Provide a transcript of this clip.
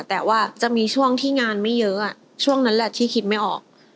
แต่ว่าจะมีช่วงที่งานไม่เยอะช่วงนั้นแหละที่คิดไม่ออก